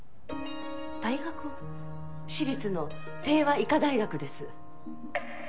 私立の帝和医科大学です。